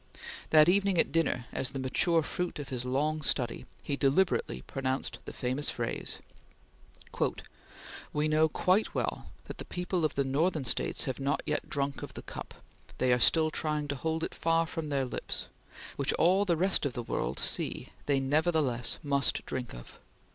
That evening at dinner, as the mature fruit of his long study, he deliberately pronounced the famous phrase: ... We know quite well that the people of the Northern States have not yet drunk of the cup they are still trying to hold it far from their lips which all the rest of the world see they nevertheless must drink of.